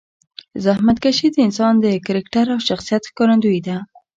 زحمتکشي د انسان د کرکټر او شخصیت ښکارندویه ده.